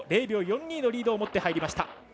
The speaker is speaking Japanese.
０秒４２のリードを持って入りました。